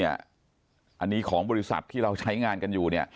อันนี้ของบริษัทที่เราใช้งานกันอยู่